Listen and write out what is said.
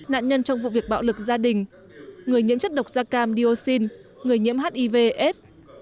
nạn nhân trong vụ việc bạo lực gia đình người nhiễm chất độc da cam dioxin người nhiễm hivs